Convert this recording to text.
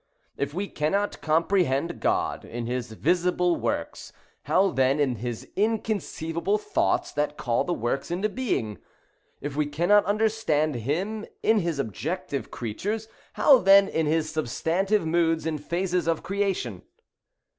If we cannot comprehend God in his visible works, how then in his inconceivable thoughts, that call the works into being? If we cannot understand him in his objective creatures, how then in his substantive moods and phases of creation?